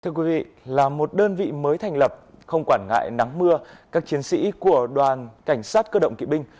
thưa quý vị là một đơn vị mới thành lập không quản ngại nắng mưa các chiến sĩ của đoàn cảnh sát cơ động kỵ binh